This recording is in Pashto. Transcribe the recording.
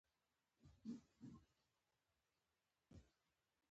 که د دغو لارښوونو پر اساس مخ پر وړاندې ولاړ شئ.